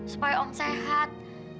supaya om sehat